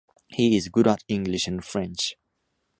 He is good at English and French.